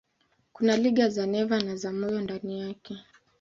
Kuna liga za neva na za moyo ndani yake.